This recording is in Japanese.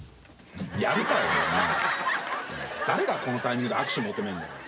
誰がこのタイミングで握手求めんだよ。